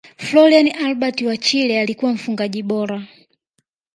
frolian albert wa chile alikuwa mfungaji bora